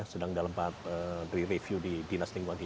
sedang dalam peri review di dinas lingkungan hidup